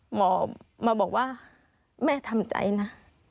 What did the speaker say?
หมอมาบอกว่าแม่ทำใจนะ